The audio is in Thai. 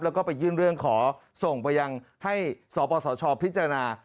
แล้วก็ไปยื่นเรื่องขอส่งไปยังให้สปสชพิจารณา